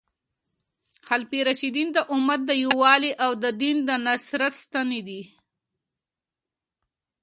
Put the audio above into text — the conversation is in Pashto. خلفای راشدین د امت د یووالي او د دین د نصرت ستنې دي.